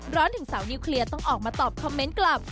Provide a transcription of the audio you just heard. ถึงสาวนิวเคลียร์ต้องออกมาตอบคอมเมนต์กลับ